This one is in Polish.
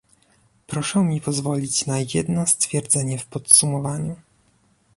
Proszę mi pozwolić na jedno stwierdzenie w podsumowaniu